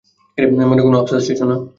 মনে কোনও আফসোস আছে, সোনা?